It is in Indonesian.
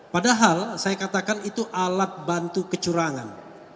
padahal saya katakan itu alat bantu kecurangan